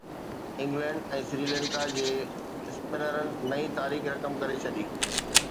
England ۽ Sri Lanka جي اسپنرن نئين تاريخ رقم ڪري ڇڏي